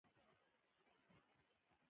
ستا مرګ ورسره تړلی دی.